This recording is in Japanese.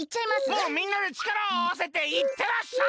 もうみんなでちからをあわせていってらっしゃい！